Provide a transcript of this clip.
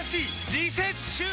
リセッシュー！